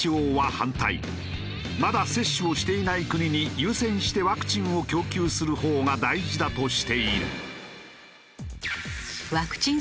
まだ接種をしていない国に優先してワクチンを供給するほうが大事だとしている。